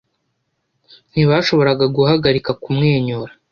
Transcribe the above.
Ntibashoboraga guhagarika kumwenyura.